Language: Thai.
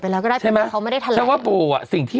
ไปแล้วก็ได้ใช่ไหมเขาไม่ได้ช่างว่าบี